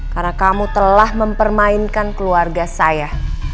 karena kamu telah mempermainkan keluarga saya